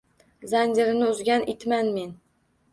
Zanjirini uzgan itman men